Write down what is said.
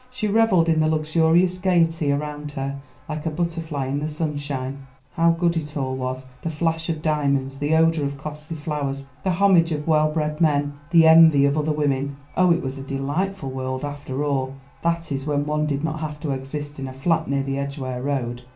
She revelled in the luxurious gaiety around her like a butterfly in the sunshine. How good it all was—the flash of diamonds, the odour of costly flowers, the homage of well bred men, the envy of other women. Oh! it was a delightful world after all—that is when one did not have to exist in a flat near the Edgware Road.